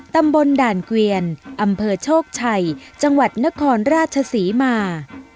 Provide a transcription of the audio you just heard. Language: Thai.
ตำบลด่านเกวียนอำเภอโชคชัยจังหวัดนครราชศรีมา